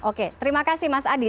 oke terima kasih mas adi